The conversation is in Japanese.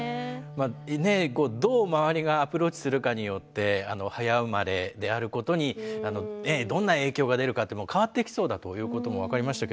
どう周りがアプローチするかによって早生まれであることにどんな影響が出るのか変わってきそうだということも分かりましたけれども。